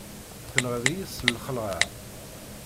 Tenɣiḍ-iyi s lxeɛla!